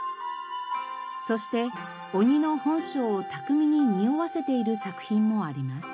そして鬼の本性を巧みににおわせている作品もあります。